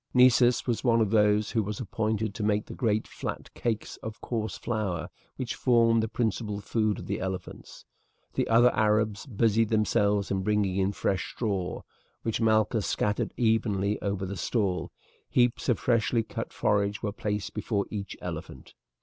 Nessus was one of those who was appointed to make the great flat cakes of coarse flour which formed the principal food of the elephants. The other Arabs busied themselves in bringing in fresh straw, which Malchus scattered evenly over the stall; heaps of freshly cut forage were placed before each elephant.